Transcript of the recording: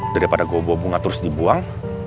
daripada gua bawa bunga terus dibuang